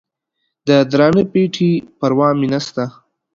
د درانه پېټي پروا مې نسته